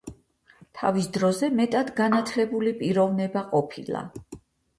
თავის დროზე მეტად განათლებული პიროვნება ყოფილა.